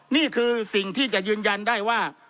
นี่คือสิ่งที่จะยืนยันได้ว่า